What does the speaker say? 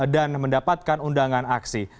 dan mendapatkan undangan aksi